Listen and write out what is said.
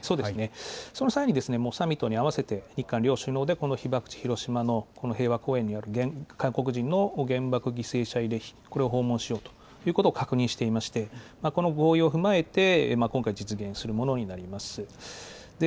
その際に、サミットにあわせて、日韓両首脳でこの被爆地、広島のこの平和公園にある韓国人の原爆犠牲者慰霊碑、これを訪問しようということを確認していまして、この合意を踏まえて、今回、実現するものになります。